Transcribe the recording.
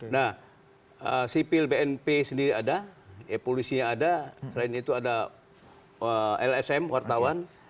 nah sipil bnp sendiri ada ya polisinya ada selain itu ada lsm wartawan